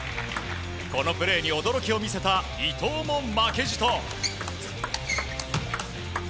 このプレーに驚きを見せた伊藤も負けじと。